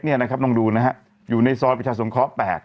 นี่นะครับลองดูนะฮะอยู่ในซอยประชาสงเคราะห์๘